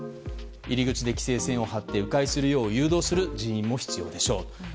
入り口で規制線を張って迂回するよう誘導する人員も必要でしょうと。